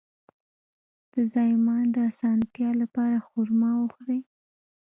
د زایمان د اسانتیا لپاره خرما وخورئ